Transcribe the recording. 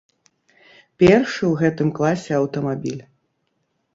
Першы ў гэтым класе аўтамабіль.